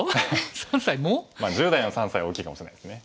まあ１０代の３歳は大きいかもしれないですね